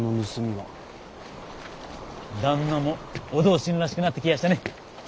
旦那もお同心らしくなってきやしたね。